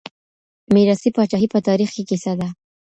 ميراثي پاچاهي په تاريخ کي کيسه ده.